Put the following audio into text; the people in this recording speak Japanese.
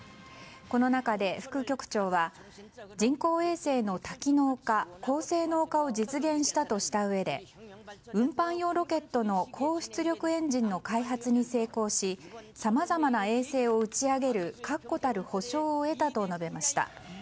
この中で副局長は人工衛星の多機能化高性能化を実現したとしたうえで運搬用ロケットの高出力エンジンの開発に成功しさまざまな衛星を打ち上げる確固たる保証を得たと述べました。